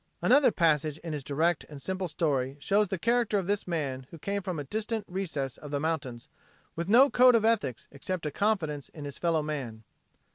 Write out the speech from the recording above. Another passage in his direct and simple story shows the character of this man who came from a distant recess of the mountains with no code of ethics except a confidence in his fellow man.